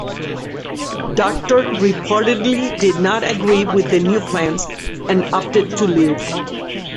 Doctor reportedly did not agree with the new plans, and opted to leave.